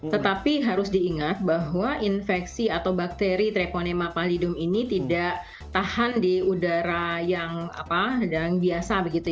tetapi harus diingat bahwa infeksi atau bakteri treponema palydum ini tidak tahan di udara yang biasa begitu